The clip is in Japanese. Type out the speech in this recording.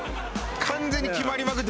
完全に決まりまくって。